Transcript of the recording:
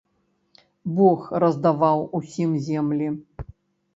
Бог раздаваў усім землі.